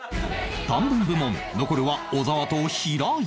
短文部門残るは小沢と平井